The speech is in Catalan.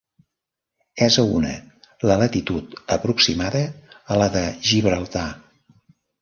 És a una la latitud aproximada a la de Gibraltar.